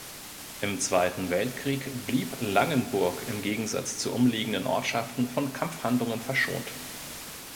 Im Zweiten Weltkrieg blieb Langenburg im Gegensatz zu umliegenden Ortschaften von Kampfhandlungen verschont.